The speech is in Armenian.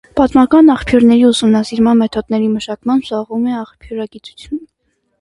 Պատմական աղբյուրների ուսումնասիրման մեթոդների մշակմամբ զբաղվում է աղբյուրագիտությունը։